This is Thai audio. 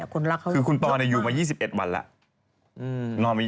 คุณปอลอยู่มา๒๑วันแล้ว